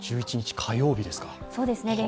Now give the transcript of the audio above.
１１日火曜日ですか。